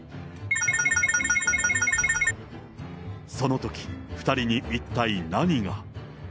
そのとき、２人に一体何が。